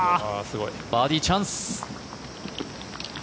バーディーチャンス。